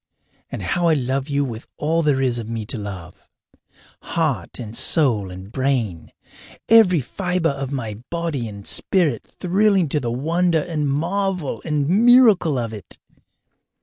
And how I love you with all there is of me to love heart and soul and brain, every fibre of body and spirit thrilling to the wonder and marvel and miracle of it!